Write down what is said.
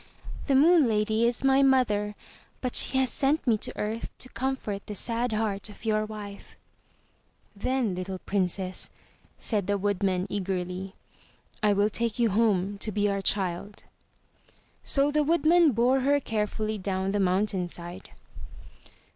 "The Moon Lady is my mother, but she has sent me to earth to comfort the sad heart of your wife." "Then, little Princess," said the Woodman eagerly, "I will take you home to be our child." So the woodman bore her carefully down the mountain side.